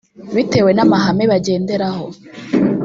bitewe n’amahame bagenderaho